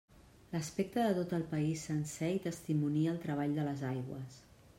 L'aspecte de tot el país sencer hi testimonia el treball de les aigües.